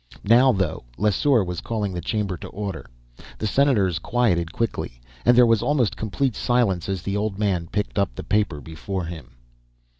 Now, though, Lesseur was calling the chamber to order. The senators quieted quickly, and there was almost complete silence as the old man picked up the paper before him.